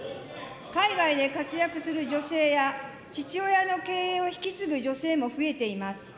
海外で活躍する女性や、父親の経営を引き継ぐ女性も増えています。